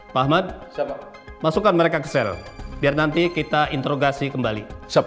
pak ahmad masukkan mereka ke sel biar nanti kita interogasi kembali